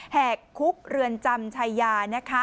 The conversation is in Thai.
แหกคุกเรือนจำชายา